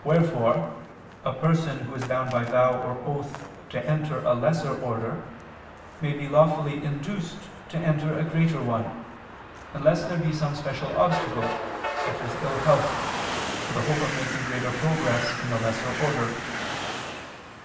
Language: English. Wherefore a person who is bound by vow or oath to enter a lesser order, may be lawfully induced to enter a greater one, unless there be some special obstacle, such as ill health, or the hope of making greater progress in the lesser order.